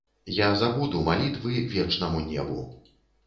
Я забуду малітвы вечнаму небу.